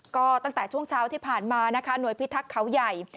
ก็ตั้งแต่ช่วงเช้าที่ผ่านมานะคะหน่วยพิทักษ์เขาใหญ่